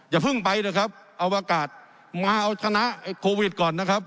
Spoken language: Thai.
อย่าเพิ่งไปนะครับอวกาศมาเอาชนะโควิดก่อนนะครับ